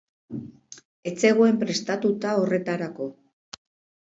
Ez zegoen prestatuta horretarako.